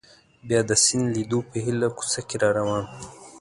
بیا د سیند لیدو په هیله کوڅه کې را روان وو.